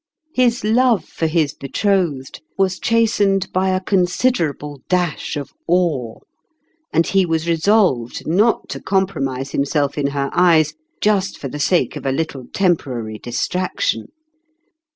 His love for his betrothed was chastened by a considerable dash of awe, and he was re solved not to compromise himself in her eyes just for the sake of a little temporary distrac tion.